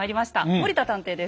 森田探偵です。